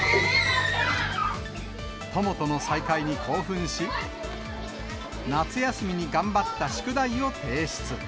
友との再会に興奮し、夏休みに頑張った宿題を提出。